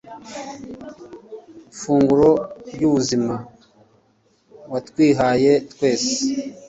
funguro ry'ubuzima, watwihaye twese